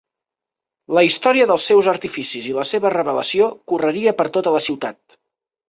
La història dels seus artificis i la seva revelació correria per tota la ciutat.